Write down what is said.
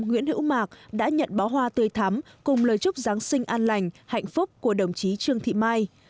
nguyễn hữu mạc đã nhận bó hoa tươi thắm cùng lời chúc giáng sinh an lành hạnh phúc của đồng chí trương thị mai